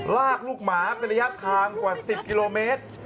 ลากลูกหมาเป็นระยะทางกว่า๑๐กิโลเมตร